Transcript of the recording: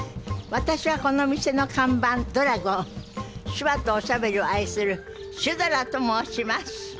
私はこの店の看板ドラゴン手話とおしゃべりを愛するシュドラと申します。